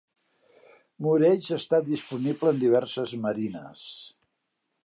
Moorage està disponible en diverses marines.